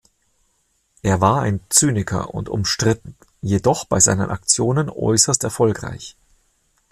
Er war ein Zyniker und umstritten, jedoch bei seinen Aktionen äußerst erfolgreich.